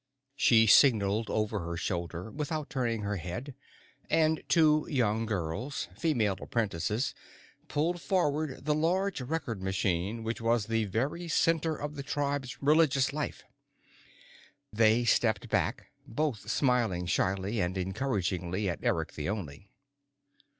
She signaled over her shoulder, without turning her head, and two young girls female apprentices pulled forward the large record machine which was the very center of the tribe's religious life. They stepped back, both smiling shyly and encouragingly at Eric the Only.